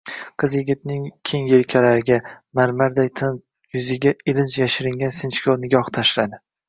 Qiz yigitning keng yelkalariga, marmarday tiniq yuziga ilinj yashiringan sinchkov nigoh tashladi.